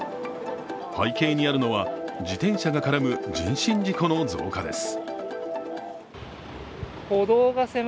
背景にあるのは、自転車が絡む人身事故の増加です。